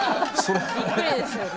びっくりですよね。